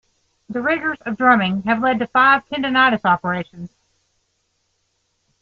The rigors of drumming have led to five tendonitis operations.